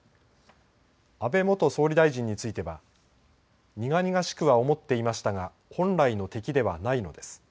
安倍元総理大臣については苦々しくは思っていましたが本来の敵ではないのです。